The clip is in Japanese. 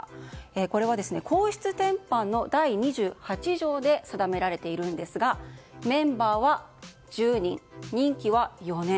これは、皇室典範の第２８条で定められているんですがメンバーは１０人、任期は４年。